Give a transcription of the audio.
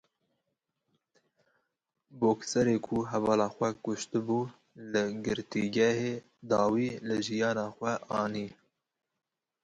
Bokserê ku hevala xwe kuştibû li girtîgehê dawî li jiyana xwe anî.